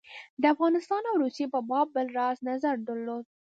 د افغانستان او روسیې په باب بل راز نظر درلود.